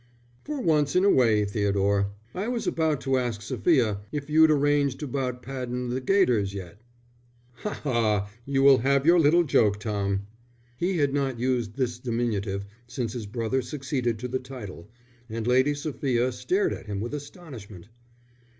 "For once in a way, Theodore. I was about to ask Sophia if you'd arranged about paddin' the gaiters yet?" "Ha, ha, you will have your little joke, Tom." He had not used this diminutive since his brother succeeded to the title, and Lady Sophia stared at him with astonishment.